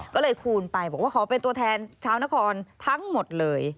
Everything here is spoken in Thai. ก็เลยคูณไปบอกว่าขอเป็นตัวแทนชาวนครทั้งหมดเลย